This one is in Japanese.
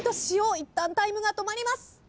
いったんタイムが止まります。